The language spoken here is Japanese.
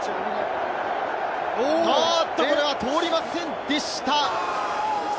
これは通りませんでした！